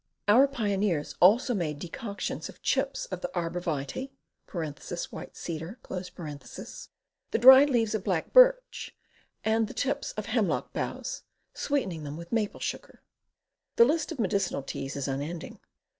Our pioneers also made decoctions of chips of the arbor vitse (white cedar), the dried leaves of black birch, and the tips of hemlock boughs, sweeten ing them with maple sugar. The list of medicinal teas is unending.